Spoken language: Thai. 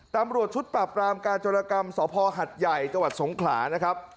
ตำรวจชุดปราบรามการจรกรรมสพหัดใหญ่จังหวัดสงขลานะครับ